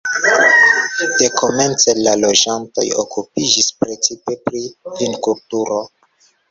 Dekomence la loĝantoj okupiĝis precipe pri vinkulturo.